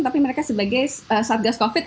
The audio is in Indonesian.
tapi mereka sebagai saat gas covid